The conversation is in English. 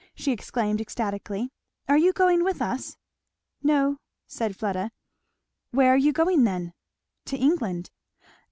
she exclaimed ecstatically, "are you going with us?" "No," said Fleda. "Where are you going then?" "To England."